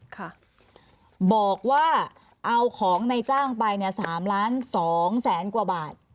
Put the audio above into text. ค่ะบอกว่าเอาของในจ้างไปเนี่ย๓ล้านสองแสนกว่าบาท